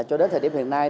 cho đến thời điểm hiện nay